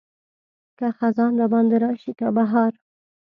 که خزان راباندې راشي که بهار.